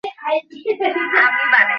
এই ব্রাহ্মণদের শারীরিক গঠনও অতি চমৎকার।